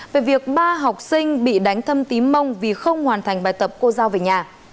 về việc ba học sinh bị đánh thâm tím mông vì không hoàn thành bài tập cô giao về nhà